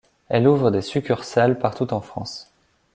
Elle ouvre des succursales partout en France.